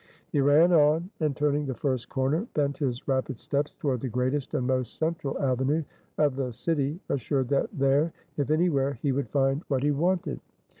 He ran on, and turning the first corner, bent his rapid steps toward the greatest and most central avenue of the city, assured that there, if anywhere, he would find what he wanted.